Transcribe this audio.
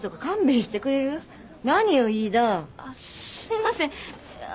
すいません。